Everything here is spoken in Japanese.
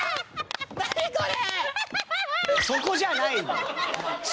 何これ！